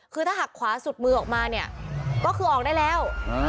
คือถ้าหักขวาสุดมือออกมาเนี่ยก็คือออกได้แล้ว